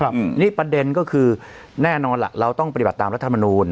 อืมนี่ประเด็นก็คือแน่นอนล่ะเราต้องปฏิบัติตามรัฐมนูล